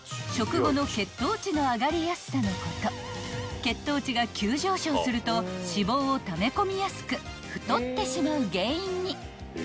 ［血糖値が急上昇すると脂肪をため込みやすく太ってしまう原因に］